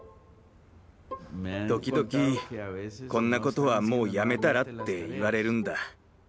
時々「こんなことはもうやめたら」って言われるんだ。